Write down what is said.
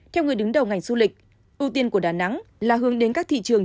theo người đứng đầu ngành du lịch ưu tiên của đà nẵng là hướng đến các thị trường